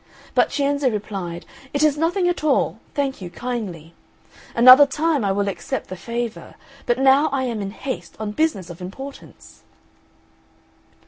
But Cienzo replied, "It is nothing at all; thank you kindly. Another time I will accept the favour; but now I am in haste, on business of importance!"